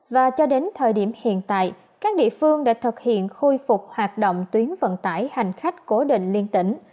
và cho đến thời điểm hiện tại các địa phương đã thực hiện khôi phục hoạt động tuyến vận tải hành khách cố định liên tỉnh